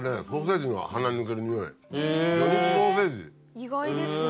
意外ですね。